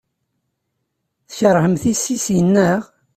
Tkeṛhem tissisin, naɣ?